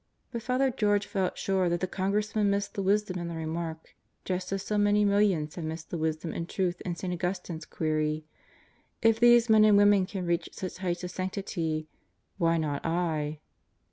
But Father George felt sure that the Congress man missed the wisdom in the remark, just as so many millions have missed the wisdom and truth in St. Augustine's query: "If these men and women can reach such heights of sanctity, why not I?"